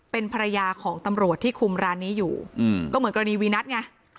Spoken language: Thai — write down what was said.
เป็นภรรยาของตำรวจที่คุมร้านนี้อยู่ก็เหมือนกรณีวีนัทไง